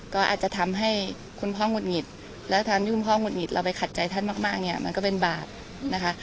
ก็อาจจะทำให้คุณพ่อหงุดหงิดแล้วตอนที่คุณพ่อหุดหิดเราไปขัดใจท่านมากเนี่ยมันก็เป็นบาปนะคะ